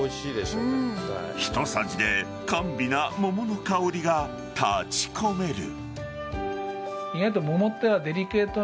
ひとさじで甘美な桃の香りが立ちこめる。